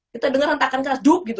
kita denger rentakan keras duk gitu